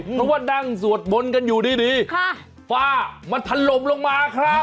เพราะว่านั่งสวดมนต์กันอยู่ดีฝ้ามันถล่มลงมาครับ